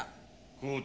校長